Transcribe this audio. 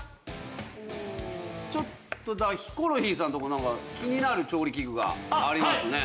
ちょっとヒコロヒーさんのとこ気になる調理器具がありますねなんかね。